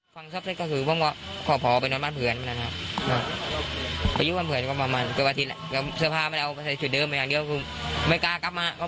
หัวเล็กเก้ากลับมาก็กลัวไว้ไหนนะครับ